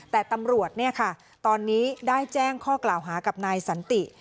แต่ตำรวจตอนนี้ได้แจ้งข้อกล่าวหากับนายสันติ